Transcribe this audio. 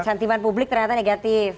sentimen publik ternyata negatif